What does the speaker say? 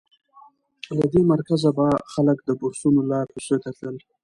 له دې مرکزه به خلک د بورسونو له لارې روسیې ته تلل.